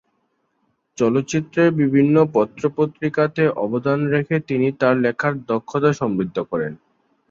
চলচ্চিত্রের বিভিন্ন পত্র-পত্রিকাতে অবদান রেখে তিনি তার লেখার দক্ষতা সমৃদ্ধ করেন।